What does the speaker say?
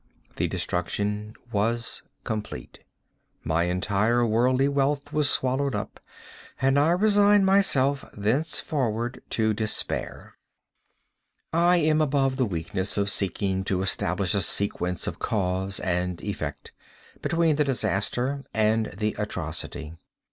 The destruction was complete. My entire worldly wealth was swallowed up, and I resigned myself thenceforward to despair. I am above the weakness of seeking to establish a sequence of cause and effect, between the disaster and the atrocity.